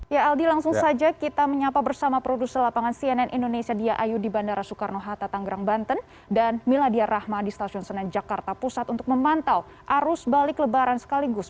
ya aldi langsung saja kita menyapa bersama produser lapangan cnn indonesia dia ayu di bandara soekarno hatta tanggerang banten dan miladia rahma di stasiun senen jakarta pusat untuk memantau arus balik lebaran sekaligus